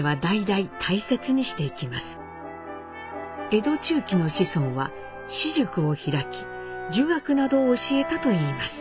江戸中期の子孫は私塾を開き儒学などを教えたといいます。